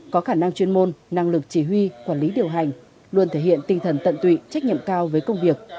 có khả năng chuyên môn năng lực chỉ huy quản lý điều hành luôn thể hiện tinh thần tận tụy trách nhiệm cao với công việc